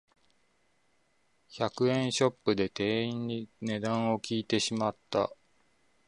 百円ショップで店員に値段を聞いてしまった